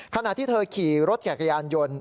ขณะที่เธอขี่รถแก่กระยานยนต์